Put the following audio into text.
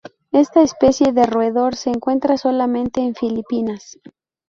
Esta especie de roedor se encuentra solamente en Filipinas.